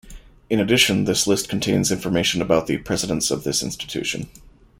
In addition, this list contains information about the presidents of this institution.